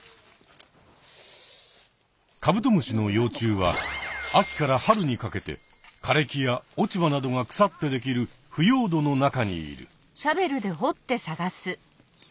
カブトムシの幼虫は秋から春にかけてかれきや落ち葉などがくさってできる腐葉土の中にいる。